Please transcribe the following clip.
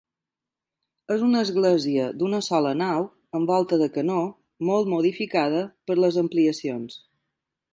És una església d'una sola nau en volta de canó, molt modificada per les ampliacions.